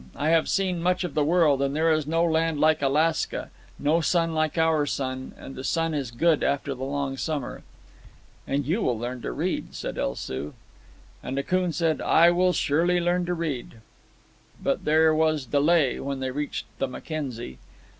I have seen much of the world, and there is no land like Alaska, no sun like our sun, and the snow is good after the long summer." "And you will learn to read," said El Soo. And Akoon said, "I will surely learn to read." But there was delay when they reached the Mackenzie.